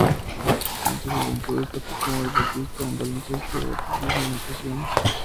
En su juventud, destacó como deportista, en baloncesto, atletismo y natación.